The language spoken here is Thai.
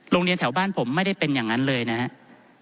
โรงเรียนแถวบ้านผมไม่ได้เป็นอย่างนั้นเลยนะครับ